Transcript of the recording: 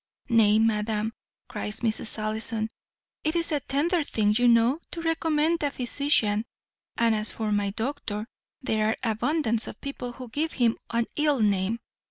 "Nay, madam," cries Mrs. Ellison, "it is a tender thing, you know, to recommend a physician; and as for my doctor, there are abundance of people who give him an ill name.